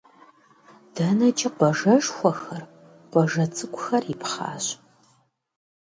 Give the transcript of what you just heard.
ДэнэкӀи къуажэшхуэхэр, къуажэ цӀыкӀухэр ипхъащ.